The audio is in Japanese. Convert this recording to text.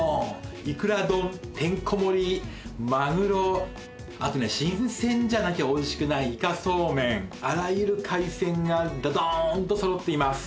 イクラ丼てんこ盛りマグロあとね新鮮じゃなきゃおいしくないイカソーメンあらゆる海鮮がドドーンと揃っています